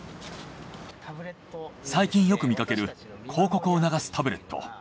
最近よく見かける広告を流すタブレット。